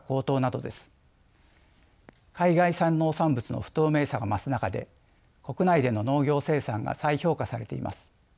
海外産農産物の不透明さが増す中で国内での農業生産が再評価されています。